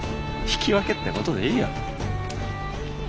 引き分けってことでいいよ。